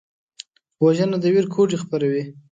وژنه د ویر کوډې خپروي